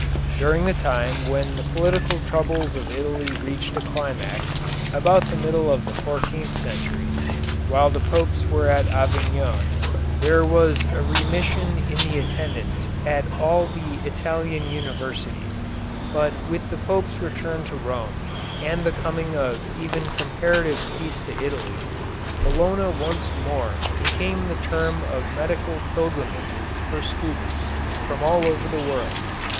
During the time when the political troubles of Italy reached a climax about the middle of the fourteenth century, while the Popes were at Avignon, there was a remission in the attendance at all the Italian universities, but with the Popes' return to Rome and the coming of even comparative peace to Italy, Bologna once more became the term of medical pilgrimages for students from all over the world.